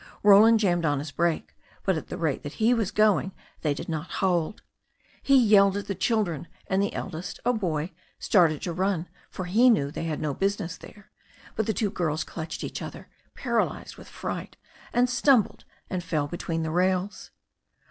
Roland jammed on his brakes, but at the rate that he was going they did not hold. He yelled at the children, and the eldest, a boy, started to run, for he knew they had no busi ^ ness there. But the two little girls clutched each other, paralyzed with fright, and stumbled and fell between the rails.